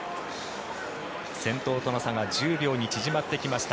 先頭との差が１０秒に縮まってきました。